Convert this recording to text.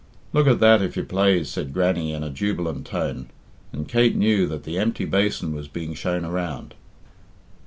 "Look at that, if you plaze," said Grannie in a jubilant tone; and Kate knew that the empty basin was being shown around.